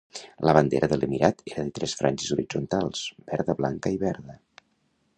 La bandera de l'emirat era de tres franges horitzontals, verda, blanca i verda.